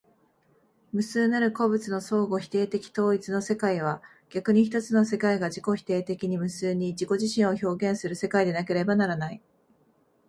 無数なる個物の相互否定的統一の世界は、逆に一つの世界が自己否定的に無数に自己自身を表現する世界でなければならない。